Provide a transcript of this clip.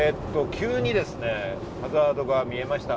急にですね、ハザードが見えました。